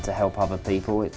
itu sangat menarik